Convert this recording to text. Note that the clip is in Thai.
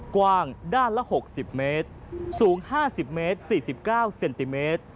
กว้างด้านละ๖๐เมตรสูง๕๐เมตร๔๙เซนติเมตร